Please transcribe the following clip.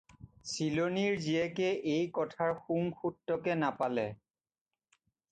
চিলনীৰ জীয়েকে এই কথাৰ শুংসূত্ৰকে নাপালে।